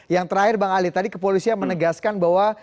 yang terakhir bang ali tadi kepolisian menegaskan bahwa